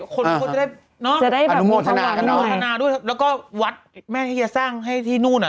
คนจะได้อนุโมทนาด้วยแล้วก็วัดแม่เฮียสร้างให้ที่นู่น